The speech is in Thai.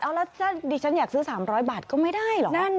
แล้วถ้าดิฉันอยากซื้อ๓๐๐บาทก็ไม่ได้เหรอ